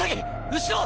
後ろ！